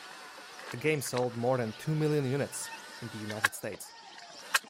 The game sold more than two million units in the United States.